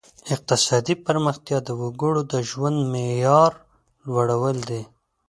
اقتصادي پرمختیا د وګړو د ژوند د معیار لوړول دي.